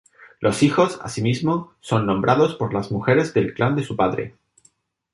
Los hijos, así mismo, son nombrados por las mujeres del clan de su padre.